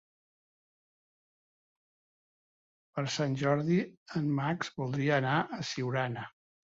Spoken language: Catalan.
Per Sant Jordi en Max voldria anar a Siurana.